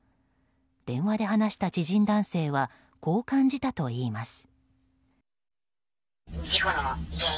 電話で話した知人男性はこう感じたといいます。